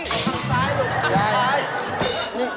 ข้างซ้ายลูกข้างซ้าย